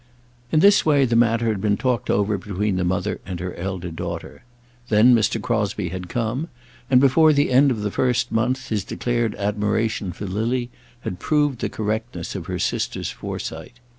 In this way the matter had been talked over between the mother and her elder daughter. Then Mr. Crosbie had come; and before the end of the first month his declared admiration for Lily had proved the correctness of her sister's foresight.